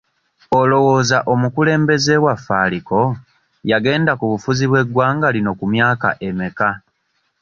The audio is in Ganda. Olowooza omukulembeze waffe aliko yagenda ku bufuzi bw'eggwanga lino ku myaka emmeka?